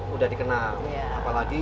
sudah dikenal apalagi